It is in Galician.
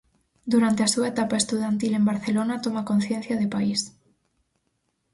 Durante a súa etapa estudantil en Barcelona toma conciencia de país.